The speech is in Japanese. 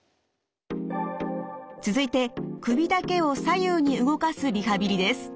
続いて首だけを左右に動かすリハビリです。